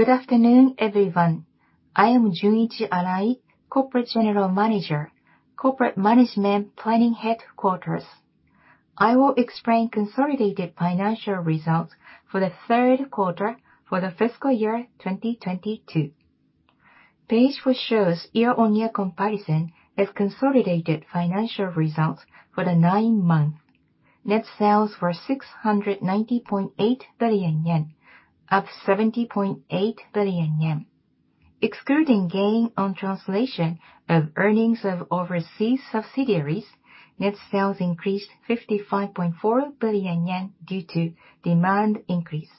Good afternoon, everyone. I am Junichi Arai, Corporate General Manager, Corporate Management Planning Headquarters. I will explain consolidated financial results for the third quarter for the fiscal year 2022. Page four shows year-on-year comparison as consolidated financial results for the 9 months. Net sales were 690.8 billion yen, up 70.8 billion yen. Excluding gain on translation of earnings of overseas subsidiaries, net sales increased 55.4 billion yen due to demand increase.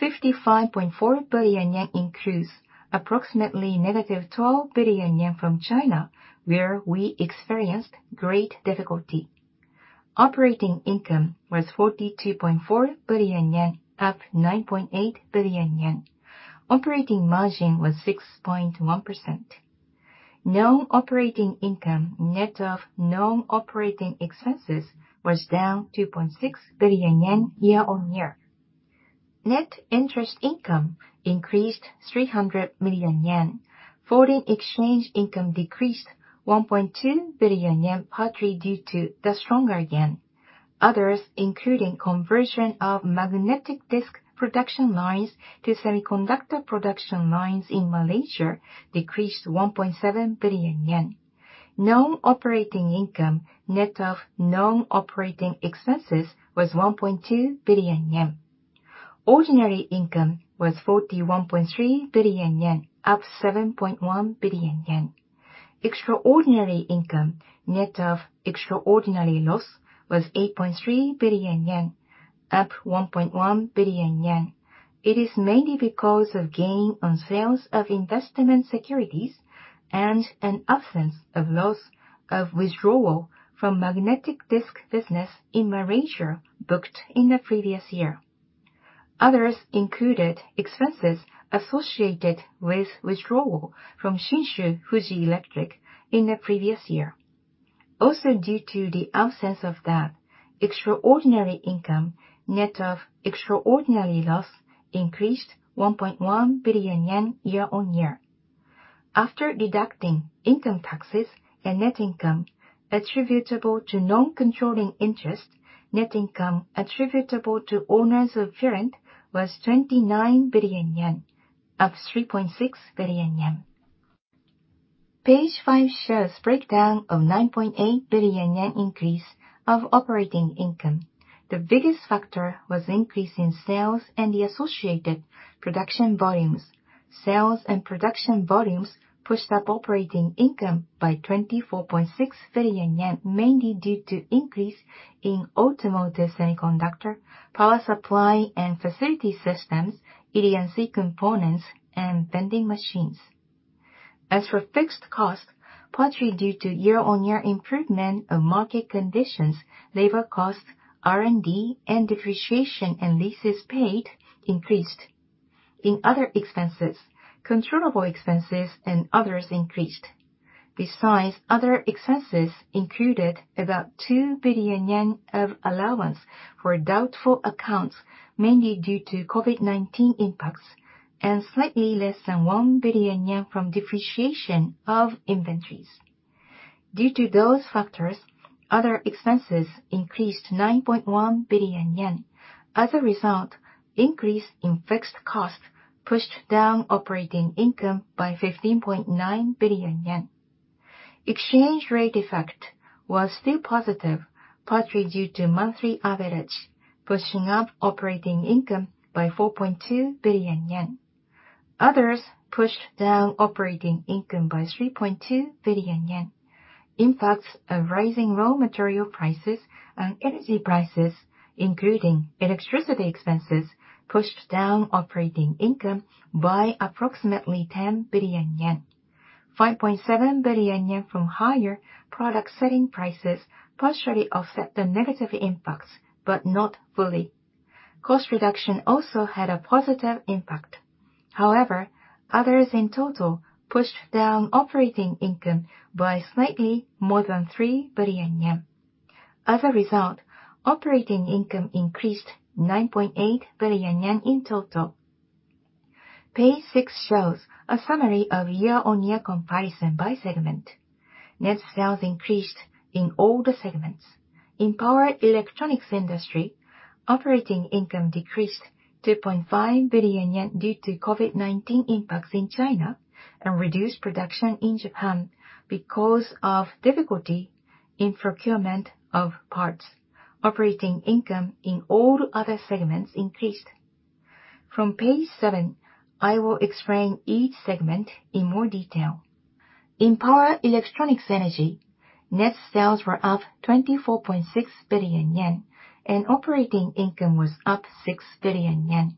55.4 billion yen includes approximately negative 12 billion yen from China, where we experienced great difficulty. Operating income was 42.4 billion yen, up 9.8 billion yen. Operating margin was 6.1%. Non-operating income, net of non-operating expenses, was down 2.6 billion yen year-on-year. Net interest income increased 300 million yen. Foreign exchange income decreased 1.2 billion yen partly due to the stronger yen. Others, including conversion of magnetic disk production lines to semiconductor production lines in Malaysia, decreased 1.7 billion yen. Non-operating income, net of non-operating expenses, was 1.2 billion yen. Ordinary income was 41.3 billion yen, up 7.1 billion yen. Extraordinary income, net of extraordinary loss, was 8.3 billion yen, up 1.1 billion yen. It is mainly because of gain on sales of investment securities, and an absence of loss of withdrawal from magnetic disk business in Malaysia booked in the previous year. Others included expenses associated with withdrawal from Shinshu Fuji Electric in the previous year. Due to the absence of that, extraordinary income, net of extraordinary loss, increased 1.1 billion yen year-on-year. After deducting income taxes and net income attributable to non-controlling interest, net income attributable to owners of parent was 29 billion yen, up 3.6 billion yen. Page five shows breakdown of 9.8 billion yen increase of operating income. The biggest factor was increase in sales and the associated production volumes. Sales and production volumes pushed up operating income by 24.6 billion yen, mainly due to increase in automotive semiconductor, power supply and facility systems, ED&C components, and vending machines. As for fixed costs, partly due to year-on-year improvement of market conditions, labor costs, R&D, and depreciation and leases paid increased. In other expenses, controllable expenses and others increased. Besides other expenses included about 2 billion yen of allowance for doubtful accounts, mainly due to COVID-19 impacts, and slightly less than 1 billion yen from depreciation of inventories. Due to those factors, other expenses increased 9.1 billion yen. As a result, increase in fixed costs pushed down operating income by 15.9 billion yen. Exchange rate effect was still positive, partly due to monthly average, pushing up operating income by 4.2 billion yen. Others pushed down operating income by 3.2 billion yen. Impacts of rising raw material prices and energy prices, including electricity expenses, pushed down operating income by approximately 10 billion yen. 5.7 billion yen from higher product selling prices partially offset the negative impacts, but not fully. Cost reduction also had a positive impact. Others in total pushed down operating income by slightly more than 3 billion yen. As a result, operating income increased 9.8 billion yen in total. Page 6 shows a summary of year-on-year comparison by segment. Net sales increased in all the segments. In Power Electronics Industry, operating income decreased 2.5 billion yen due to COVID-19 impacts in China and reduced production in Japan because of difficulty in procurement of parts. Operating income in all other segments increased. From page 7, I will explain each segment in more detail. In Power Electronics Energy, net sales were up 24.6 billion yen, and operating income was up 6 billion yen.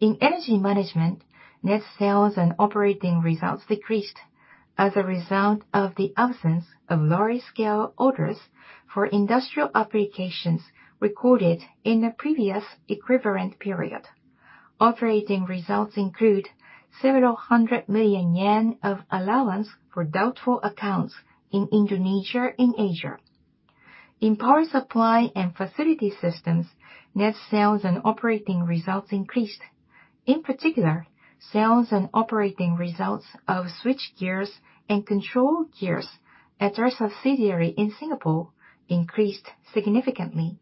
In energy management, net sales and operating results decreased as a result of the absence of large-scale orders for industrial applications recorded in the previous equivalent period. Operating results include several hundred million JPY of allowance for doubtful accounts in Indonesia and Asia. In Power supply and facility systems, net sales and operating results increased. In particular, sales and operating results of switchgears and controlgears at our subsidiary in Singapore increased significantly.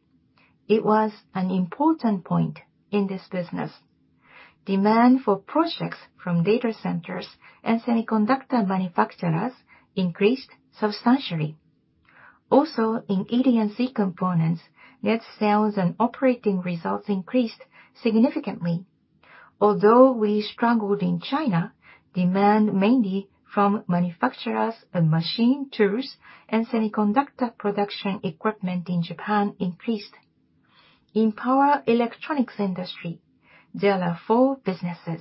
It was an important point in this business. Demand for projects from data centers, and semiconductor manufacturers increased substantially. In ED&C components, net sales and operating results increased significantly. Although we struggled in China, demand mainly from manufacturers of machine tools and semiconductor production equipment in Japan increased. In Power Electronics Industry, there are four businesses.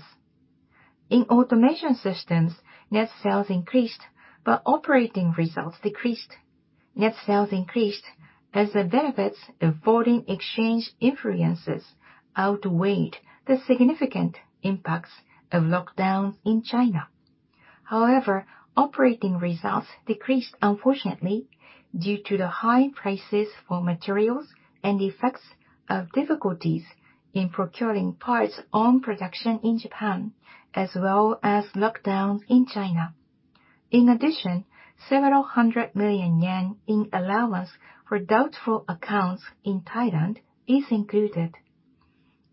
In Automation systems, net sales increased, but operating results decreased. Net sales increased as the benefits of foreign exchange influences outweighed the significant impacts of lockdown in China. Operating results decreased unfortunately due to the high prices for materials, and effects of difficulties in procuring parts on production in Japan, as well as lockdowns in China. JPY several hundred million in allowance for doubtful accounts in Thailand is included.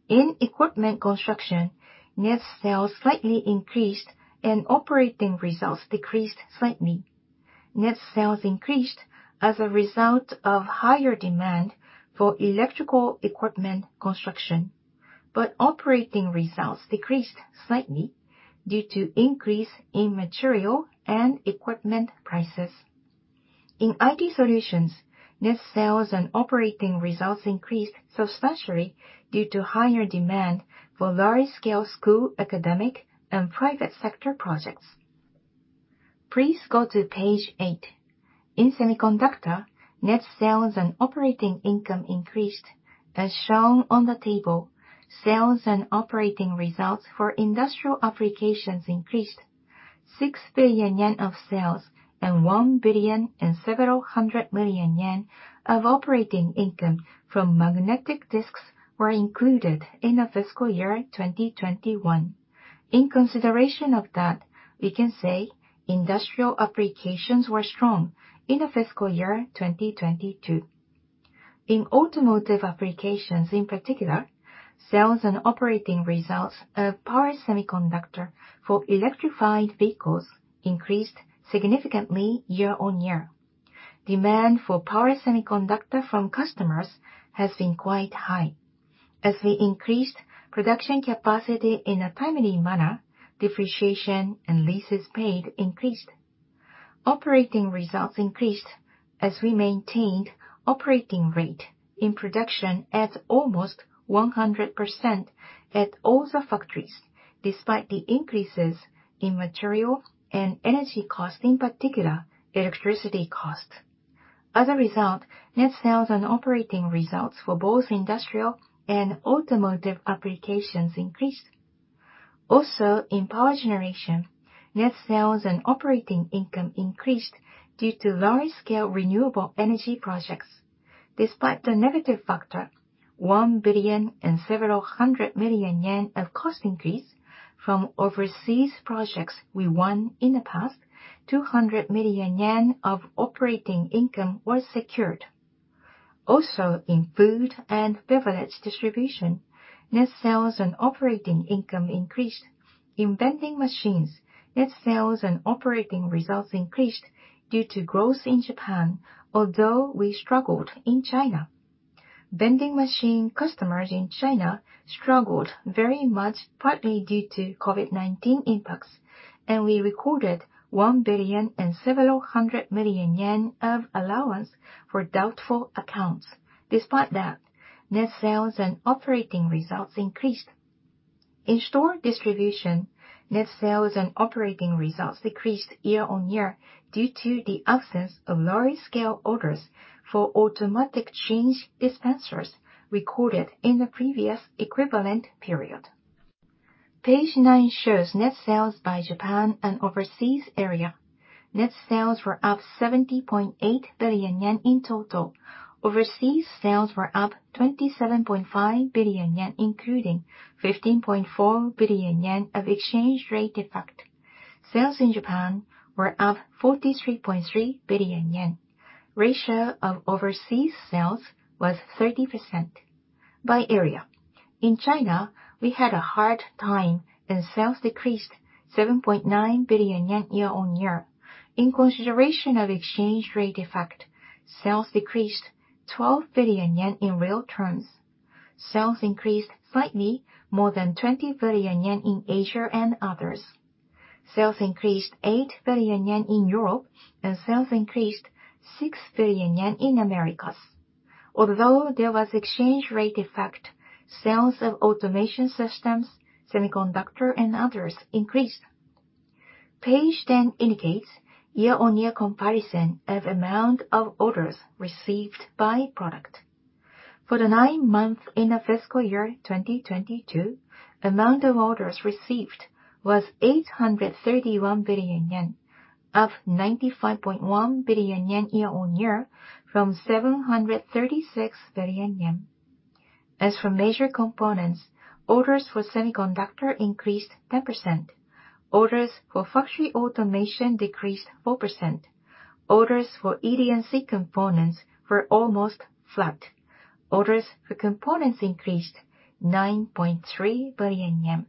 In Equipment construction, net sales slightly increased and operating results decreased slightly. Net sales increased as a result of higher demand for electrical Equipment construction, but operating results decreased slightly due to increase in material and equipment prices. In IT Solutions, net sales and operating results increased substantially due to higher demand for large-scale school, academic, and private sector projects. Please go to page 8. In Semiconductor, net sales and operating income increased. As shown on the table, sales and operating results for industrial applications increased 6 billion yen of sales and 1 billion and several hundred million of operating income from Magnetic Disks were included in the fiscal year 2021. In consideration of that, we can say industrial applications were strong in the fiscal year 2022. In automotive applications in particular, sales and operating results of Power Semiconductor for electrified vehicles increased significantly year-on-year. Demand for Power Semiconductor from customers has been quite high. As we increased production capacity in a timely manner, depreciation,, and leases paid increased. Operating results increased as we maintained operating rate in production at almost 100% at all the factories, despite the increases in material and energy cost, in particular electricity cost. As a result, net sales and operating results for both industrial, and automotive applications increased. Also in Power generation, net sales and operating income increased due to large-scale renewable energy projects. Despite the negative factor, 1 billion and several hundred million yen of cost increase from overseas projects we won in the past, 200 million yen of operating income was secured. Also in Food and Beverage Distribution, net sales and operating income increased. In vending machines, net sales and operating results increased due to growth in Japan, although we struggled in China. Vending machine customers in China struggled very much, partly due to COVID-19 impacts. We recorded 1 billion and several hundred million JPY of allowance for doubtful accounts. Despite that, net sales and operating results increased. In store distribution, net sales and operating results decreased year-on-year due to the absence of large-scale orders for Automatic change dispensers recorded in the previous equivalent period. Page 9 shows net sales by Japan and overseas area. Net sales were up 70.8 billion yen in total. Overseas sales were up 27.5 billion yen, including 15.4 billion yen of exchange rate effect. Sales in Japan were up 43.3 billion yen. Ratio of overseas sales was 30%. By area, in China, we had a hard time. Sales decreased 7.9 billion yen year-on-year. In consideration of exchange rate effect, sales decreased 12 billion yen in real terms. Sales increased slightly more than 20 billion yen in Asia and others. Sales increased 8 billion yen in Europe, and sales increased 6 billion yen in Americas. Although there was exchange rate effect, sales of Automation systems, Semiconductors, and others increased. Page 10 indicates year-on-year comparison of amount of orders received by product. For the 9 months in the fiscal year 2022, amount of orders received was 831 billion yen, up 95.1 billion yen year-on-year from 736 billion yen. As for major components, orders for Semiconductors increased 10%. Orders for Factory automation decreased 4%. Orders for ED&C components were almost flat. Orders for components increased 9.3 billion yen.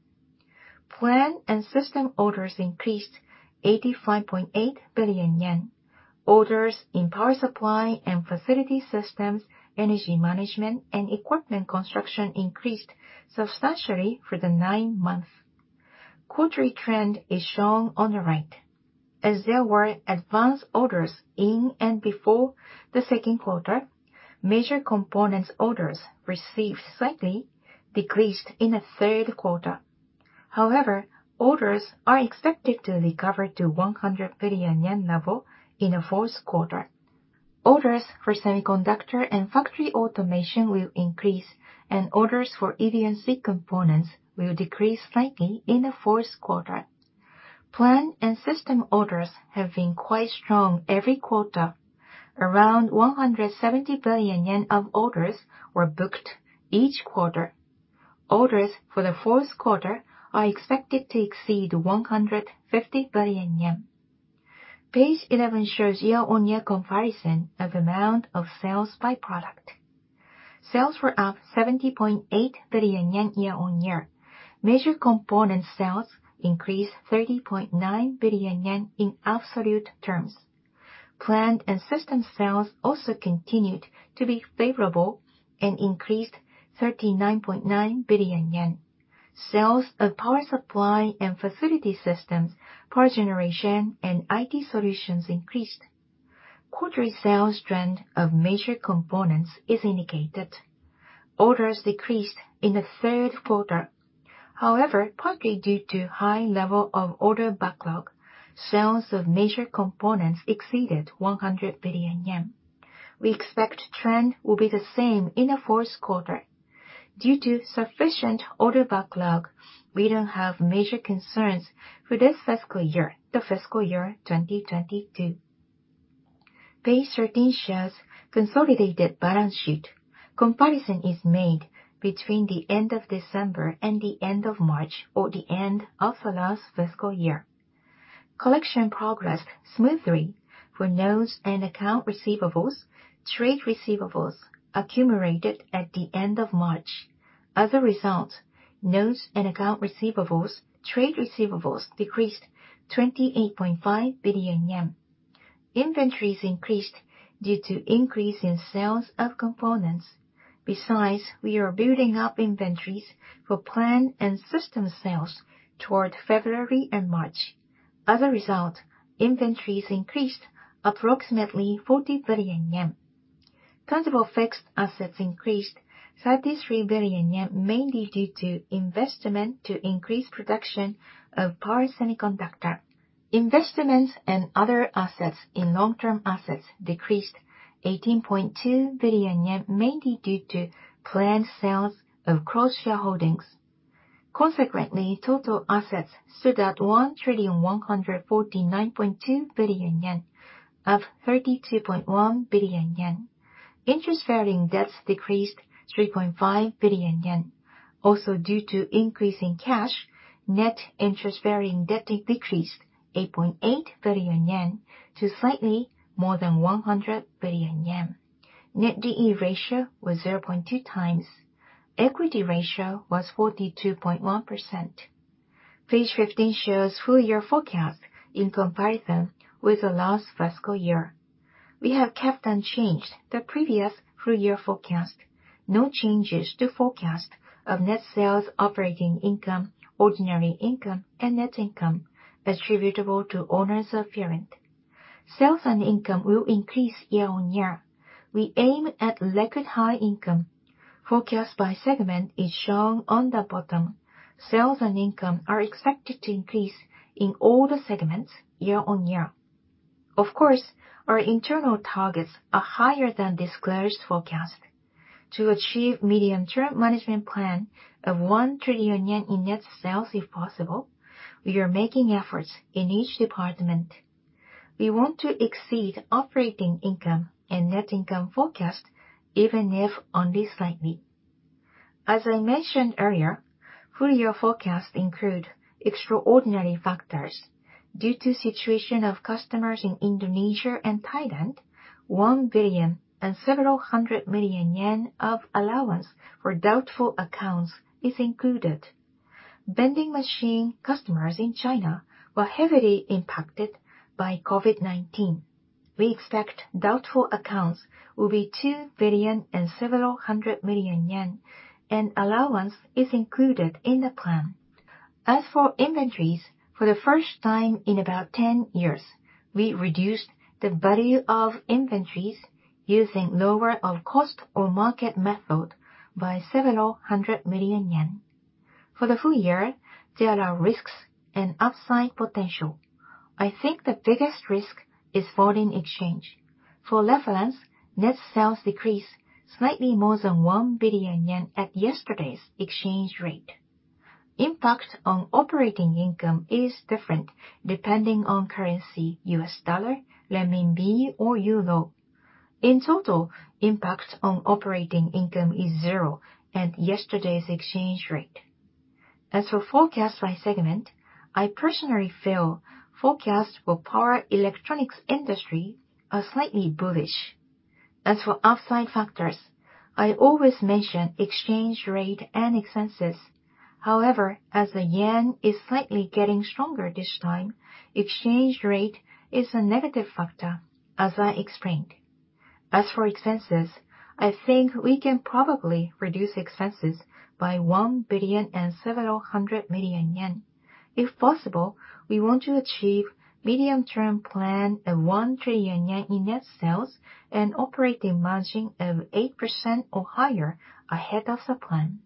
Plan and system orders increased 85.8 billion yen. Orders in power supply and facility systems, energy management, and equipment construction increased substantially for the 9 months. Quarterly trend is shown on the right. As there were advanced orders in and before the second quarter, major components orders received slightly decreased in the third quarter. Orders are expected to recover to 100 billion yen level in the fourth quarter. Orders for Semiconductors, and factory automation will increase, and orders for ED&C components will decrease slightly in the fourth quarter. Plan and system orders have been quite strong every quarter. Around 170 billion yen of orders were booked each quarter. Orders for the fourth quarter are expected to exceed 150 billion yen. Page 11 shows year-on-year comparison of amount of sales by product. Sales were up 70.8 billion yen year-on-year. Major component sales increased 30.9 billion yen in absolute terms. Planned and system sales also continued to be favorable and increased 39.9 billion yen. Sales of Power supply and facility systems, Power generation, and IT Solutions increased. Quarterly sales trend of major components is indicated. Orders decreased in the third quarter. However, partly due to high level of order backlog, sales of major components exceeded 100 billion yen. We expect trend will be the same in the fourth quarter. Due to sufficient order backlog, we don't have major concerns for this fiscal year, the fiscal year 2022. Page 13 shows consolidated balance sheet. Comparison is made between the end of December and the end of March or the end of the last fiscal year. Collection progressed smoothly for notes and account receivables, trade receivables accumulated at the end of March. Other results, notes and account receivables, trade receivables decreased 28.5 billion yen. Inventories increased due to increase in sales of components. We are building up inventories for plan and system sales toward February and March. As a result, inventories increased approximately 40 billion yen. Tangible fixed assets increased 33 billion yen, mainly due to investment to increase production of Power semiconductor. Investments and other assets in long-term assets decreased 18.2 billion yen, mainly due to planned sales of cross-shareholdings. Consequently, total assets stood at 1,149.2 billion yen of 32.1 billion yen. Interest-bearing debts decreased 3.5 billion yen. Due to increase in cash, net interest-bearing debt decreased 8.8 billion yen to slightly more than 100 billion yen. Net D/E Ratio was 0.2 times. Equity ratio was 42.1%. Page 15 shows full-year forecast in comparison with the last fiscal year. We have kept unchanged the previous full-year forecast. No changes to forecast of net sales, operating income, ordinary income, and net income attributable to owners of parent. Sales and income will increase year-on-year. We aim at record-high income. Forecast by segment is shown on the bottom. Sales and income are expected to increase in all the segments year-on-year. Of course, our internal targets are higher than disclosed forecast. To achieve medium-term management plan of 1 trillion yen in net sales if possible, we are making efforts in each department. We want to exceed operating income and net income forecast even if only slightly. As I mentioned earlier, full-year forecast include extraordinary factors. Due to situation of customers in Indonesia and Thailand, 1 billion and several hundred million of allowance for doubtful accounts is included. Vending machine customers in China were heavily impacted by COVID-19. We expect doubtful accounts will be 2 billion and several hundred million, and allowance is included in the plan. As for inventories, for the first time in about 10 years, we reduced the value of inventories using lower of cost or market method by JPY several hundred million. For the full year, there are risks and upside potential. I think the biggest risk is foreign exchange. For reference, net sales decreased slightly more than 1 billion yen at yesterday's exchange rate. Impact on operating income is different depending on currency, US dollar, renminbi, or euro. In total, impact on operating income is zero at yesterday's exchange rate. As for forecast by segment, I personally feel forecasts for Power Electronics Industry are slightly bullish. As for upside factors, I always mention exchange rate and expenses. As the JPY is slightly getting stronger this time, exchange rate is a negative factor as I explained. As for expenses, I think we can probably reduce expenses by 1 billion and several hundred million. If possible, we want to achieve medium-term plan of 1 trillion yen in net sales and operating margin of 8% or higher ahead of the plan.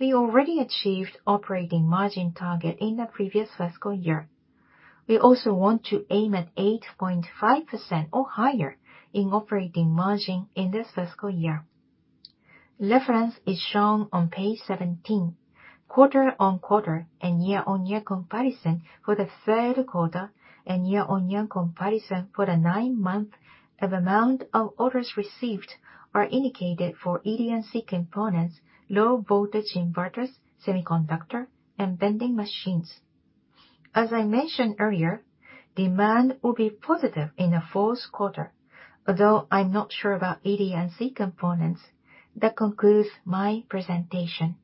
We already achieved operating margin target in the previous fiscal year. We also want to aim at 8.5% or higher in operating margin in this fiscal year. Reference is shown on page 17, quarter-on-quarter and year-on-year comparison for the third quarter and year-on-year comparison for the 9 month of amount of orders received are indicated for ED&C components, low-voltage inverters, semiconductor, and vending machines. As I mentioned earlier, demand will be positive in the 4th quarter, although I'm not sure about ED&C components. That concludes my presentation.